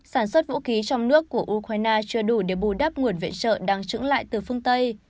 sản xuất vũ khí trong nước của ukraine chưa đủ để bù đắp nguồn viện trợ đang trứng lại từ phương tây